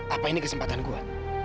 apa ini kesempatan gua